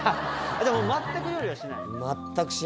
じゃあもう全く料理はしない？